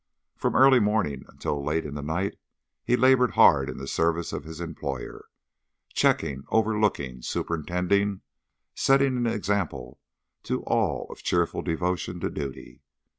From early morning until late in the night he laboured hard in the service of his employer, checking, overlooking, superintending, setting an example to all of cheerful devotion to duty.